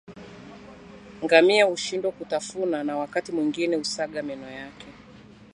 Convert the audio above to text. Ngamia hushindwa kutafuna na wakati mwingine husaga meno yake